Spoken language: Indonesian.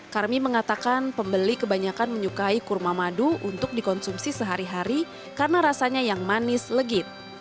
karmi mengatakan pembeli kebanyakan menyukai kurma madu untuk dikonsumsi sehari hari karena rasanya yang manis legit